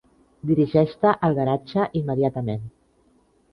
Dirigeix-te al garatge immediatament.